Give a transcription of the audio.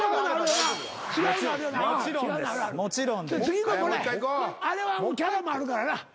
次のもらえあれはキャラもあるからな。